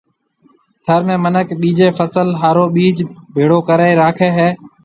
ٿر ۾ منک ٻيجيَ فصل ھارو ٻِج ڀيݪو ڪرَي راکيَ ھيََََ